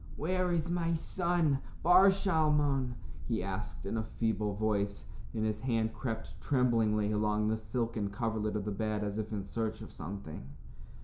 "Where is my son, Bar Shalmon?" he asked in a feeble voice, and his hand crept tremblingly along the silken coverlet of the bed as if in search of something.